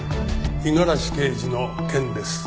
五十嵐刑事の件です。